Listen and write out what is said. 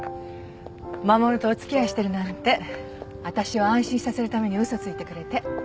護とお付き合いしてるなんてわたしを安心させるために嘘ついてくれて。